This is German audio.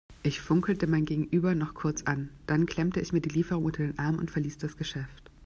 Ich funkelte mein Gegenüber noch kurz an, dann klemmte ich mir die Lieferung unter den Arm und verließ das Geschäft.